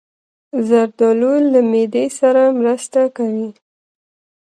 زردالو له معدې سره مرسته کوي.